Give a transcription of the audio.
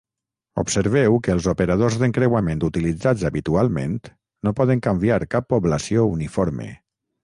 Observeu que els operadors d'encreuament utilitzats habitualment no poden canviar cap població uniforme.